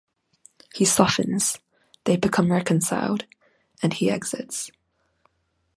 He softens, they become reconciled, and he exits.